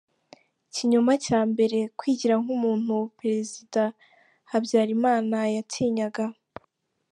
Ikinyoma cya mbere: kwigira nk’umuntu Perezida Habyalimana yatinyaga